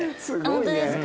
本当ですか？